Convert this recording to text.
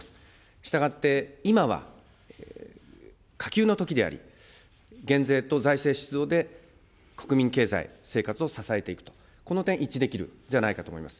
したがって、今はかきゅうのときであり、減税と財政出動で国民経済、生活を支えていくと、この点、一致できるんではないかと思います。